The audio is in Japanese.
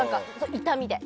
痛みで。